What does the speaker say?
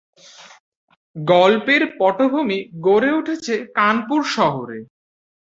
গল্পের পটভূমি গড়ে উঠেছে কানপুর শহরে।